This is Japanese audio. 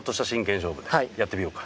やってみようか。